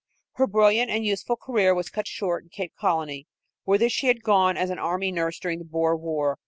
Her brilliant and useful career was cut short in Cape Colony, whither she had gone as an army nurse during the Boer war.